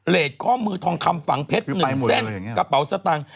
เหล็กข้อมือทองคำฝังเพชรหนึ่งแซ่งกระเป๋าสตางค์